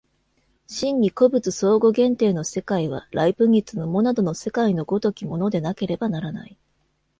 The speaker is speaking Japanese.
真に個物相互限定の世界は、ライプニッツのモナドの世界の如きものでなければならない。